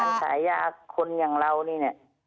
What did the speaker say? ใช่ร้านขายยาคนอย่างเรานี่นี่